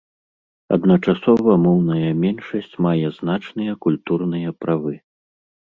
Адначасова моўная меншасць мае значныя культурныя правы.